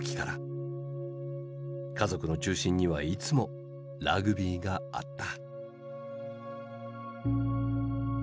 家族の中心にはいつもラグビーがあった。